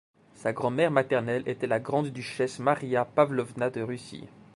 Sa grand-mère maternelle était la grande-duchesse Maria Pavlovna de Russie.